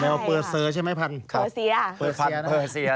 เอาเปอร์เซอร์ใช่ไหมพันเปอร์เซียเปิดพันเปอร์เซีย